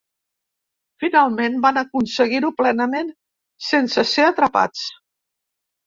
Finalment, van aconseguir-ho plenament sense ser atrapats.